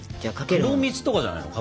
黒蜜とかじゃないの？